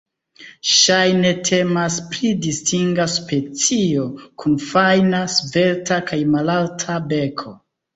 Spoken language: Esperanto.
Ŝajne temas pri distinga specio, kun fajna, svelta kaj malalta beko.